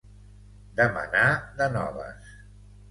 Demanar de noves.